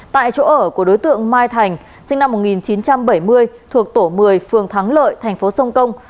tại chỗ ở của đối tượng mai thành sinh năm một nghìn chín trăm bảy mươi thuộc tổ một mươi phường thắng lợi thành phố sông công